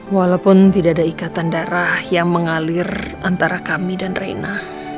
walaupun tidak ada ikatan darah yang mengalir antara kami dan reina